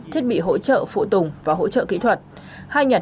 thiết bị hỗ trợ phụ tùng và hỗ trợ kỹ thuật